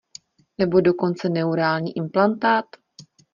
Nebo dokonce neurální implantát?